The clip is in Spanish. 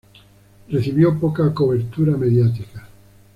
Recibió poca cobertura mediática.